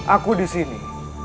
aku di sini